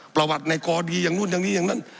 ประวัติในกรรมนี้อย่างนู่นยังนี้อย่างนี้